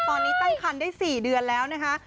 ตอนนี้ตั้งคันได้๔เดือนแล้วนะคะ